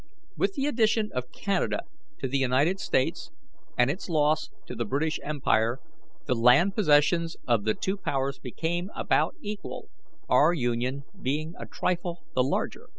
With the addition of Canada to the United States and its loss to the British Empire, the land possessions of the two powers became about equal, our Union being a trifle the larger.